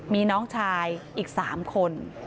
มีน้องชายอีก๓คน